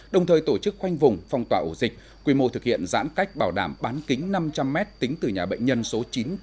đồng thời tổ chức khoanh vùng phong tỏa ổ dịch quy mô thực hiện giãn cách bảo đảm bán kính năm trăm linh m tính từ nhà bệnh nhân số chín trăm chín mươi